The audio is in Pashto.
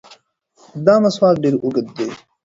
دا مسواک ډېر اوږد دی.